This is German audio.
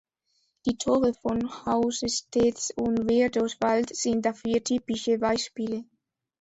Die Tore von Housesteads und Birdoswald sind dafür typische Beispiele.